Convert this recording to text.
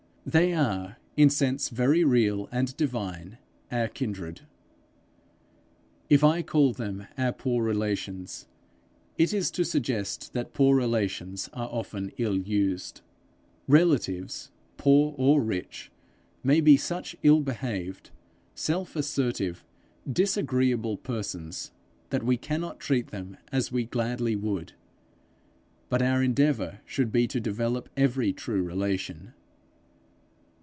They are, in sense very real and divine, our kindred. If I call them our poor relations, it is to suggest that poor relations are often ill used. Relatives, poor or rich, may be such ill behaved, self assertive, disagreeable persons, that we cannot treat them as we gladly would; but our endeavour should be to develop every true relation.